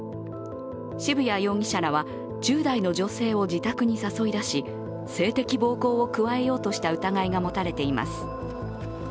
渋谷容疑者らは１０代の女性を自宅に誘い出し、性的暴行を加えようとした疑いが持たれています。